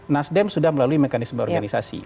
nasdem sudah melalui mekanisme organisasi